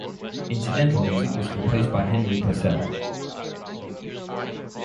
Incidental music was composed by Henry Purcell.